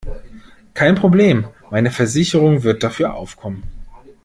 Kein Problem, meine Versicherung wird dafür aufkommen.